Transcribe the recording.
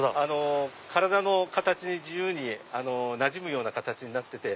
体の形に自由になじむようになってて。